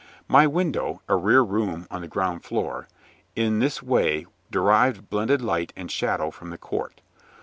My window a rear room on the ground floor in this way derived blended light and shadow from the court.